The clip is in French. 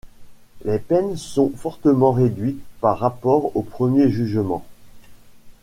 Les peines sont fortement réduites par rapport au premier jugement.